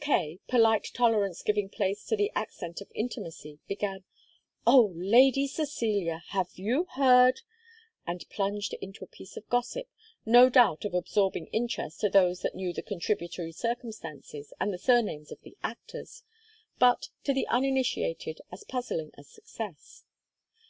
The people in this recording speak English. Kaye, polite tolerance giving place to the accent of intimacy, began: "Oh, Lady Cecilia, have you heard " and plunged into a piece of gossip, no doubt of absorbing interest to those that knew the contributory circumstances and the surnames of the actors, but to the uninitiated as puzzling as success.